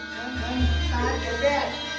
sampai jumpa lagi